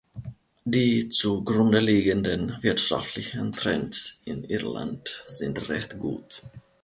Die zu Grunde liegenden wirtschaftlichen Trends in Irland sind recht gut.